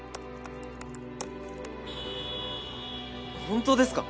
本当ですか？